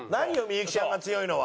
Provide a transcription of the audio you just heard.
幸ちゃんが強いのは。